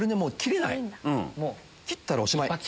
切ったらおしまい。